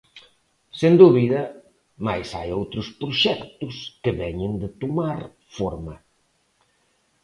Sen dúbida, mais hai outros proxectos que veñen de tomar forma.